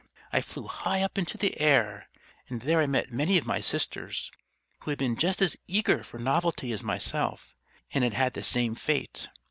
I flew high up into the air, and there I met many of my sisters, who had been just as eager for novelty as myself, and had had the same fate.